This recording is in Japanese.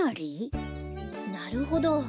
なるほど。